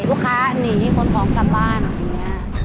ลูกค้านีคนพร้อมกลับบ้านอย่างเนี้ย